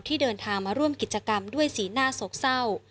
ที่เดินทางมาร่วมกิจกรรมด้วยสีหน้าโศกเศร้า